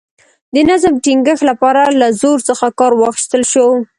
د نظم ټینګښت لپاره له زور څخه کار واخیستل شو.